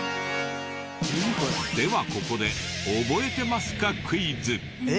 ではここで覚えてますかクイズ。